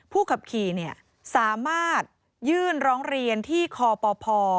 ผู้ขับขี่สามารถยื่นร้องเรียนที่คปพ